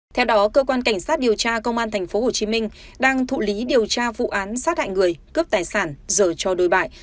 theo đó cơ quan cảnh sát điều tra công an tp hcm đang thụ lý điều tra vụ án sát hại người cướp tài sản rồi cho đôi bại